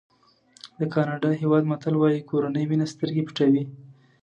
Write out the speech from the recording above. د ګاڼډا هېواد متل وایي کورنۍ مینه سترګې پټوي.